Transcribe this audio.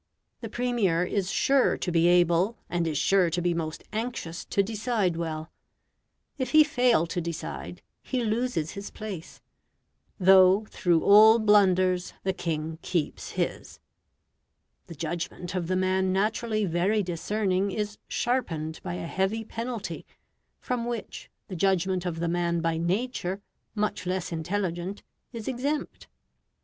The Premier is sure to be able, and is sure to be most anxious to decide well; if he fail to decide, he loses his place, though through all blunders the king keeps his; the judgment of the man naturally very discerning is sharpened by a heavy penalty, from which the judgment of the man by nature much less intelligent is exempt.